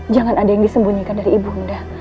jangan ada yang disembunyikan dari ibu nda